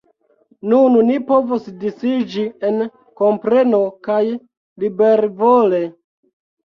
Nun ni povos disiĝi en kompreno — kaj libervole.